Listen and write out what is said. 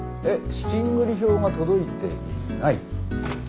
資金繰り表が届いていない？